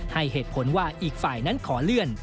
ให้เหตุผลว่าอีกฝ่ายนั้นขอเลื่อน